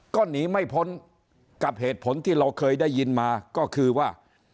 ก็หนีไม่พ้นกับเหตุผลที่เราเคยได้ยินมาก็คือว่า